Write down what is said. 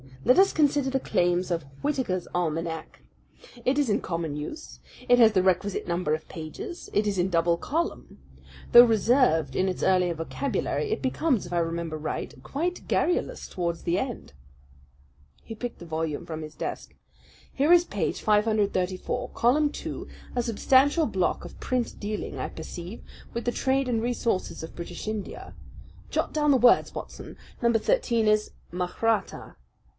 Let us consider the claims of Whitaker's Almanac. It is in common use. It has the requisite number of pages. It is in double column. Though reserved in its earlier vocabulary, it becomes, if I remember right, quite garrulous towards the end." He picked the volume from his desk. "Here is page 534, column two, a substantial block of print dealing, I perceive, with the trade and resources of British India. Jot down the words, Watson! Number thirteen is 'Mahratta.'